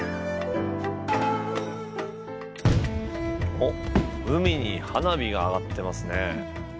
おっ海に花火が上がってますね。